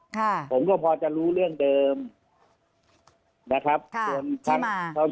ค่ะผมก็พอจะรู้เรื่องเดิมนะครับค่ะใช่ไหม